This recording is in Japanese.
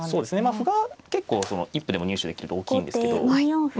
歩が結構一歩でも入手できると大きいんですけどま